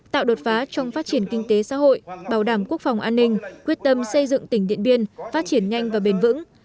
tạo đột phá trong phát triển kinh tế xã hội bảo đảm quốc phòng an ninh quyết tâm xây dựng tỉnh điện biên phát triển nhanh và bền vững